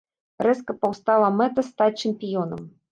Рэзка паўстала мэта стаць чэмпіёнам.